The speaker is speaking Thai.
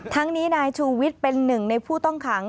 ทั้งนี้นายชูวิทย์เป็นหนึ่งในผู้ต้องขัง